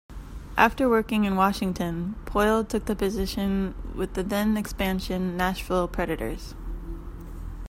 After working in Washington, Poile took the position with the then-expansion Nashville Predators.